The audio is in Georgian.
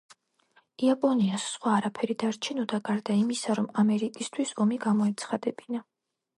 იაპონიას სხვა არაფერი დარჩენოდა გარდა იმისა, რომ ამერიკისთვის ომი გამოეცხადებინა.